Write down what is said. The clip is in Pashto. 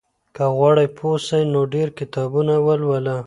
که غواړې پوه سې نو ډېر کتابونه ولوله.